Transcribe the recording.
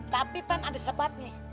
tapi pan ada sebab nih